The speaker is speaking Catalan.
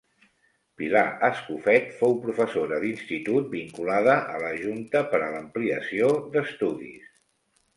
Pilar Escofet fou professora d'institut vinculada a la Junta per a l'Ampliació d'Estudis.